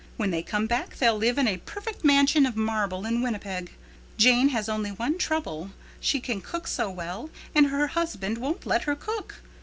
When they come back they'll live in a perfect mansion of marble in Winnipeg. Jane has only one trouble—she can cook so well and her husband won't let her cook.